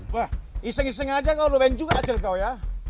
wah iseng iseng aja kau lu main juga hasil kau ya